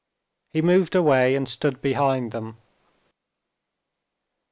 He moved away and stood behind them.